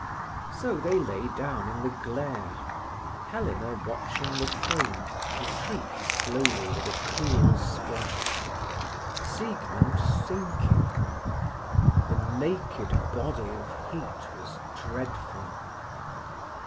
So they lay down in the glare, Helena watching the foam retreat slowly with a cool splash; Siegmund thinking. The naked body of heat was dreadful.